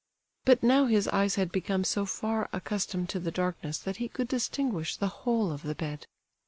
But now his eyes had become so far accustomed to the darkness that he could distinguish the whole of the bed.